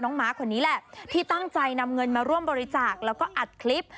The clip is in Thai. ม้าคนนี้แหละที่ตั้งใจนำเงินมาร่วมบริจาคแล้วก็อัดคลิป